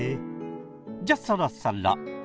じゃあそろそろ。